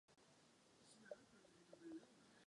Později se majitelé zámku často střídali.